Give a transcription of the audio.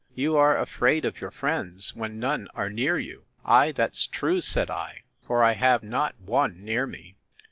You are afraid of your friends, when none are near you. Ay, that's true, said I; for I have not one near me.